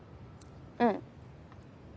うん。